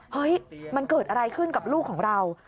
เฮ้ยมันเกิดอะไรขึ้นกับลูกของเรา